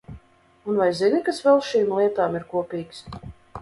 Un vai zini, kas vēl šīm lietām ir kopīgs?